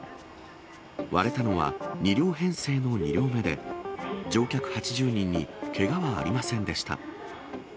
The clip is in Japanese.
割れたのは、２両編成の２両目で、乗客８０人にけがはありませんでした。